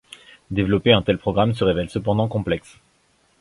Développer un tel programme se révèle cependant complexe.